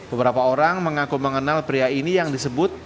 beberapa orang mengaku mengenal pria ini yang disebut